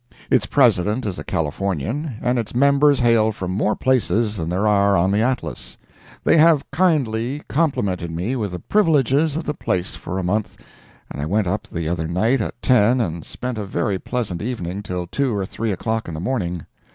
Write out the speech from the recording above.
Its President is a Californian, and its members hail from more places than there are on the Atlas. They have kindly complimented me with the privileges of the place for a month, and I went up the other night at ten and spent a very pleasant evening till two or three o'clock in the morning.